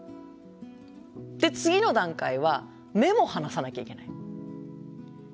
で次の段階は目も離さなきゃいけない。